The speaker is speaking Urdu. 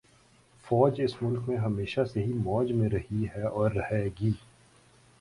فوج اس ملک میں ہمیشہ سے ہی موج میں رہی ہے اور رہے گی